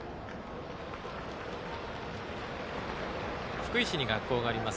福井市に学校があります